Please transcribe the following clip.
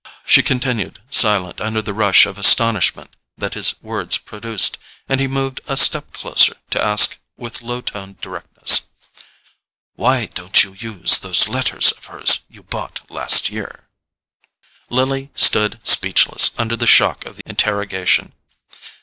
She continued silent under the rush of astonishment that his words produced, and he moved a step closer to ask with low toned directness: "Why don't you use those letters of hers you bought last year?" Lily stood speechless under the shock of the interrogation.